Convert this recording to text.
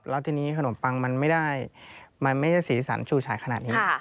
แล้วทีนี้ขนมปังมันไม่ได้มันไม่ใช่สีสันชูฉายขนาดนี้